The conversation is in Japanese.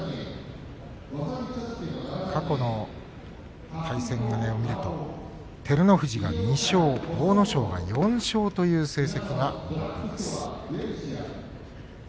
過去の対戦を見ると照ノ富士が２勝、阿武咲が４勝という成績が残っています。